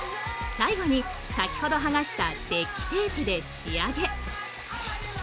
最後に先ほど剥がしたデッキテープで仕上げ。